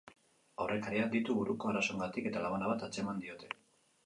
Aurrekariak ditu buruko arazoengatik eta labana bat atzeman diote.